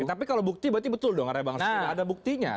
tapi kalau bukti berarti betul dong araya bangsa tidak ada buktinya